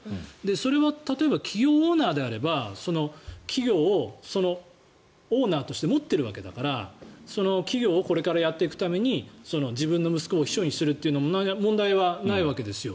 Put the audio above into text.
それは例えば企業オーナーであればその企業をオーナーとして持っているわけだから企業をこれからやっていくために自分の息子を秘書にするのはなんら問題はないわけですよ。